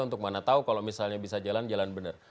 untuk mana tahu kalau misalnya bisa jalan jalan benar